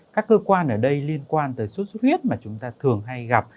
các cơ quan ở đây liên quan tới số suất huyết mà chúng ta thường hay gặp